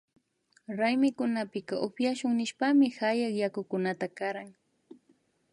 Raymikunapika upyashun nishpami hayak yakukunata karan